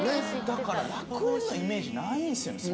だから「楽園」のイメージないんすよね